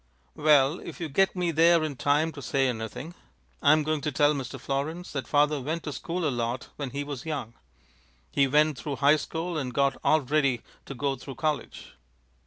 "Well, if you get me there in time to say anything, I'm going to tell Mr. Florins that father went to school a lot when he was young. He went through high school and got all ready to go through college."